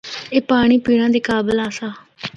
اے پانڑی پینڑا دے قابل آسا۔